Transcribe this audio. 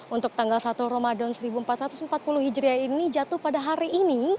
untuk tanggal satu ramadan seribu empat ratus empat puluh hijriah ini jatuh pada hari ini